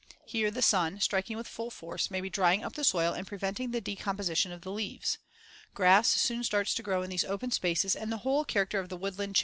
Here the sun, striking with full force, may be drying up the soil and preventing the decomposition of the leaves. Grass soon starts to grow in these open spaces and the whole character of the woodland changes as shown in Figs.